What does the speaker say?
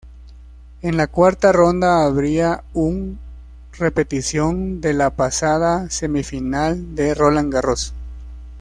En la cuarta ronda habría un repetición de la pasada semifinal de Roland Garros.